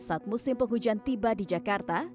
saat musim penghujan tiba di jakarta